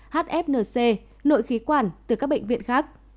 hfnc nội khí quản từ các bệnh viện khác